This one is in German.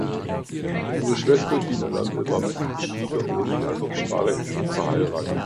Ihre Schwester Dina Lampe war mit dem Politiker Ole Jacob Sparre verheiratet.